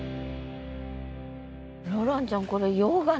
ローランちゃん